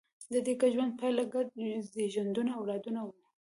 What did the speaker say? د دې ګډ ژوند پایله ګډ زېږنده اولادونه وو.